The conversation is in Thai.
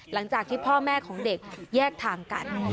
หลังจากที่พ่อแม่ของเด็กแยกทางกัน